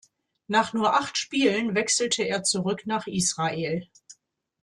Nach nur acht Spielen wechselte er zurück nach Israel.